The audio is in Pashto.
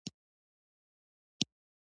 د ناکامیونو کیسې ولولئ دا سمه لار ده.